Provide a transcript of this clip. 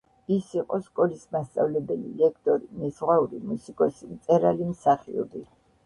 ის იყო სკოლის მასწავლებელი, ლექტორი, მეზღვაური, მუსიკოსი, მწერალი, მსახიობი.